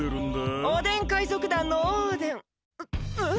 おでん海賊団のオーデンえっ！？